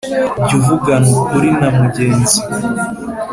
Jya uvugana ukuri na mugenzi